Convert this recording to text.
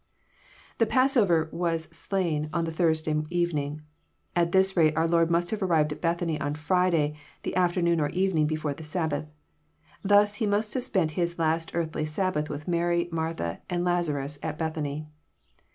] The passover was slain on the Thursday evening. At this rate our Lord must have arrived at Bethany on Friday, the afternoon or evening before the Sabbath. Thus he must have spent His last earthly Sabbath with Mary, Martha, and Lazarus, at Beth any.